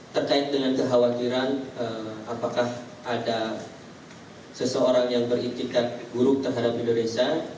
terkait dengan kekhawatiran apakah ada seseorang yang beritikat buruk terhadap indonesia